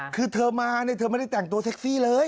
คือเธอมาเนี่ยเธอไม่ได้แต่งตัวเซ็กซี่เลย